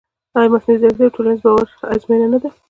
ایا مصنوعي ځیرکتیا د ټولنیز باور ازموینه نه ده؟